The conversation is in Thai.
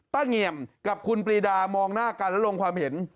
เงี่ยมกับคุณปรีดามองหน้ากันและลงความเห็น